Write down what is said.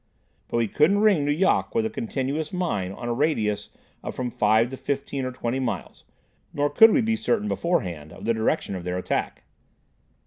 But we couldn't ring Nu Yok with a continuous mine on a radius of from five to fifteen or twenty miles. Nor could we be certain beforehand of the direction of their attack.